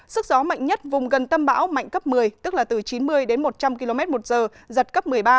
sức gió mạnh nhất vùng gần tâm bão mạnh cấp một mươi tức là từ chín mươi đến một trăm linh km một giờ giật cấp một mươi ba